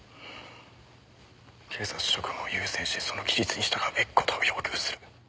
警察職務に優先してその規律に従うべきことを要求する。